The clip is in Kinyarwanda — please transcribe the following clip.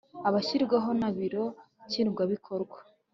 abashyirwaho na Biro Nshingwabikorwa